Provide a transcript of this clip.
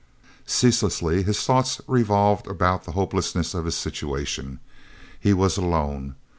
Ceaselessly his thoughts revolved about the hopelessness of his situation. He was alone.